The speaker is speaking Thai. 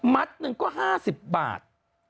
หนึ่งก็๕๐บาท